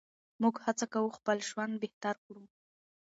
موږ هڅه کوو خپل ژوند بهتر کړو.